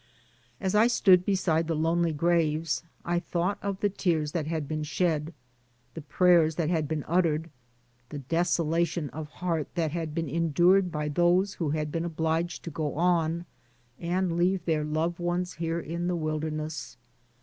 As I stood beside the lonely graves, I thought of the tears that had been shed, the prayers that had been uttered, the desolation of heart that had been endured by those who had been obliged to go on and leave their loved ones here in this wilderness.